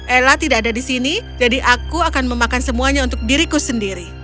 ella tidak ada di sini jadi aku akan memakan semuanya untuk diriku sendiri